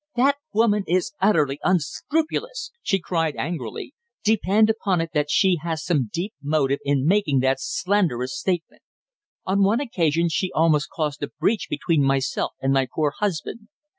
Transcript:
"That woman is utterly unscrupulous!" she cried angrily. "Depend upon it that she has some deep motive in making that slanderous statement. On one occasion she almost caused a breach between myself and my poor husband.